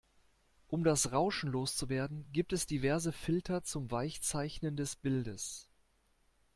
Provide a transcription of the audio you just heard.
Um das Rauschen loszuwerden, gibt es diverse Filter zum Weichzeichnen des Bildes.